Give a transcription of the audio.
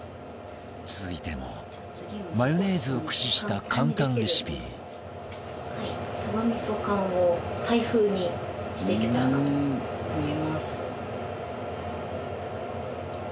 続いてもマヨネーズを駆使した簡単レシピしていけたらなと思います。